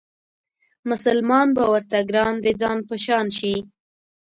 مسلمان به ورته ګران د ځان په شان شي